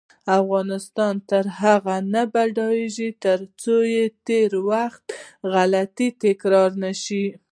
افغانستان تر هغو نه ابادیږي، ترڅو د تیر وخت غلطۍ تکرار نشي.